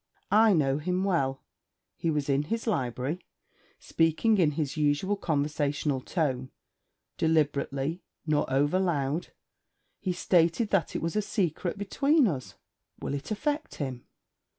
I know him well. He was in his library, speaking in his usual conversational tone, deliberately, nor overloud. He stated that it was a secret between us.' 'Will it affect him?'